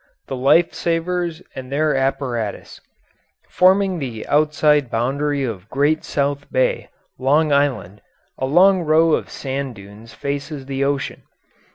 THE LIFE SAVERS AND THEIR APPARATUS Forming the outside boundary of Great South Bay, Long Island, a long row of sand dunes faces the ocean.